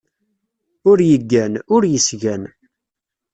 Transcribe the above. Ur yeggan, ur yesgan.